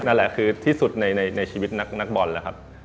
นั่นแหละคือที่สุดในชีวิตนักบอลแล้วครับ